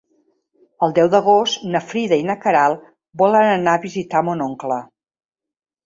El deu d'agost na Frida i na Queralt volen anar a visitar mon oncle.